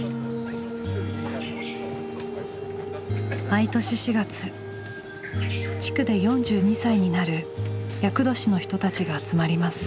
毎年４月地区で４２歳になる厄年の人たちが集まります。